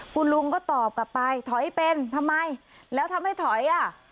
กูลุงก็ตอบกลับไปถอยเป็นทำไมแล้วทำไมถอย